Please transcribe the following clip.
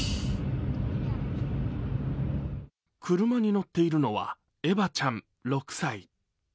車に乗っているのはエバちゃん６歳。